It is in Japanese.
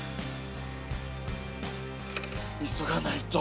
急がないと。